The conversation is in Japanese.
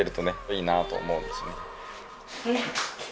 いいなと思うんですよね。